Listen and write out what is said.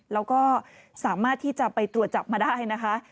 แล้วก็สามารถที่จะไปตรวจจับมาได้นะคะ